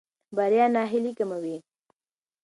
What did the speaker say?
بریا ناهیلي کموي.